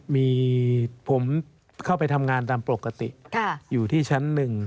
มีผมเข้าไปทำงานตามปกติอยู่ที่ชั้น๑